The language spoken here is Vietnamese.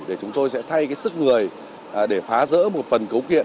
để chúng tôi sẽ thay cái sức người để phá rỡ một phần cấu kiện